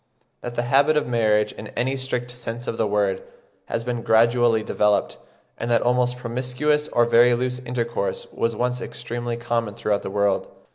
that the habit of marriage, in any strict sense of the word, has been gradually developed; and that almost promiscuous or very loose intercourse was once extremely common throughout the world.